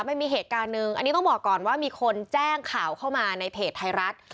มันมีเหตุการณ์หนึ่งอันนี้ต้องบอกก่อนว่ามีคนแจ้งข่าวเข้ามาในเพจไทยรัฐ